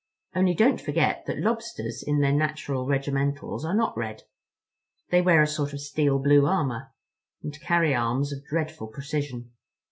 Only don't forget that Lobsters in their natural regimentals are not red. They wear a sort of steel blue armor, and carry arms of dreadful precision.